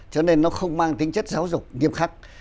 cho nên nó không mang tính chất giáo dục nghiêm khắc